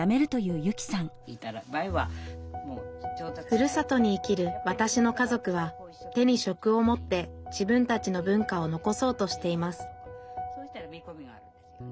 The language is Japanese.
ふるさとに生きるわたしの家族は手に職を持って自分たちの文化を残そうとしています